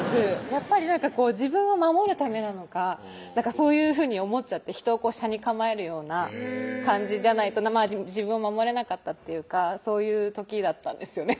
やっぱり自分を守るためなのかそういうふうに思っちゃって斜に構えるような感じじゃないと自分を守れなかったっていうかそういう時だったんですよね